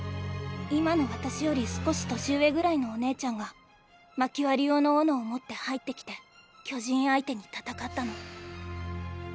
今の私より少し年上ぐらいのお姉ちゃんが薪割り用の斧を持って入って来て巨人相手に戦ったの。